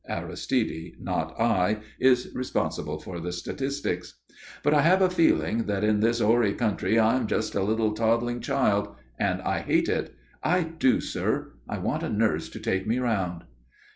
(Aristide, not I, is responsible for the statistics.) "But I have a feeling that in this hoary country I'm just a little toddling child. And I hate it. I do, sir. I want a nurse to take me round."